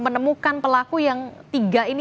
menemukan pelaku yang tiga ini